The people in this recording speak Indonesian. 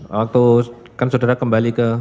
waktu kan saudara kembali ke